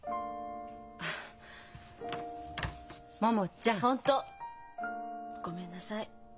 あっ桃ちゃん。本当ごめんなさい。